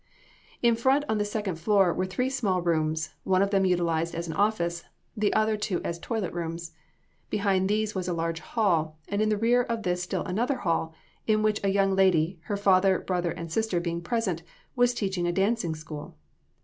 In front on the second floor were three small rooms, one of them utilized as an office, the other two as toilet rooms. Behind these was a large hall, and in the rear of this still another hall, in which a young lady, her father, brother and sister being present, was teaching a dancing school.